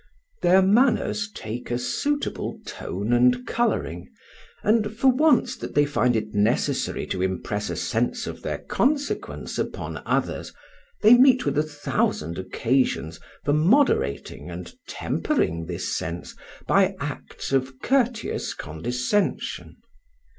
Their manners take a suitable tone and colouring, and for once they find it necessary to impress a sense of their consequence upon others, they meet with a thousand occasions for moderating and tempering this sense by acts of courteous condescension.